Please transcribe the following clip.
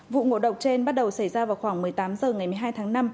vụ ngộ độc trên bắt đầu xảy ra vào khoảng một mươi tám h ngày một mươi hai tháng năm